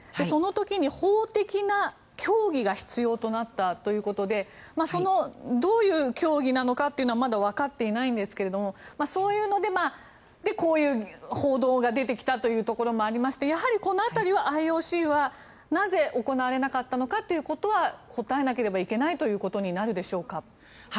その時に法的な協議が必要となったということでそのどういう協議なのかはまだ分かっていないんですけどもそういうので、こういう報道が出てきたということでやはり、この辺りはＩＯＣはなぜ行われなかったのかは答えなければいけないということになるでしょうか？